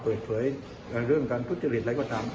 เปิดเผยเรื่องการทุษยฤทธิ์อะไรกว่าตาม